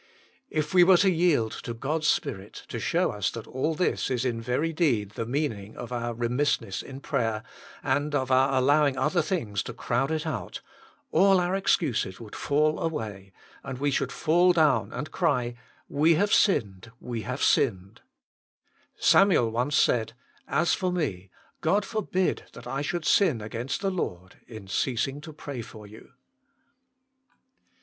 If we were to yield to God s Spirit to show us that all this is in very deed the meaning of re missness in prayer, and of our allowing other things to crowd it out, all our excuses would fall away, and we should fall down and cry, " We have sinned ! we have sinned !" Samuel once said, " As for me, God forbid that I should sin against the Lord in ceasing to pray for you."